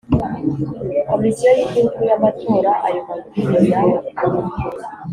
Komisiyo y Igihugu y Amatora Ayo mabwiriza